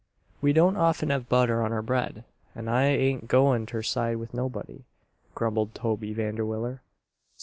"We don't often have butter on our bread, an' I ain't goin' ter side with nobody," grumbled Toby Vanderwiller.